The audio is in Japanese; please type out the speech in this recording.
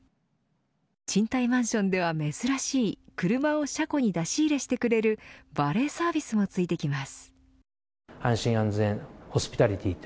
賃貸マンションでは珍しい車を車庫に出し入れしてくれるバレーサービスもついてきます。